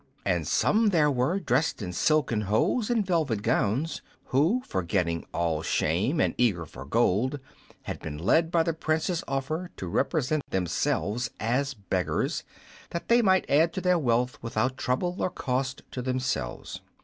And some there were dressed in silken hose and velvet gowns, who, forgetting all shame, and, eager for gold, had been led by the Prince's offer to represent themselves as beggars, that they might add to their wealth without trouble or cost to themselves.